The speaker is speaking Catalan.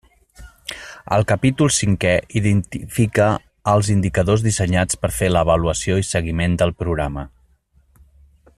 El capítol cinquè identifica els indicadors dissenyats per fer l'avaluació i seguiment del programa.